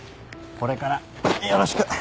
これからよろしく。